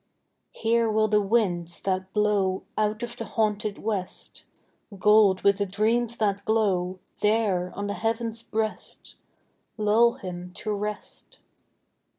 Here will the winds, that blow Out of the haunted west, Gold with the dreams that glow There on the heaven's breast, Lull him to rest.